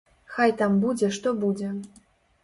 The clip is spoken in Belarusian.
Хай там будзе што будзе!